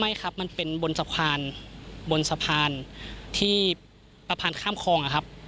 ไม่ครับมันเป็นบนสะพานบนสะพานที่สะพานข้ามคลองอะครับ